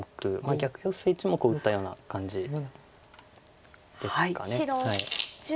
逆ヨセ１目を打ったような感じですか。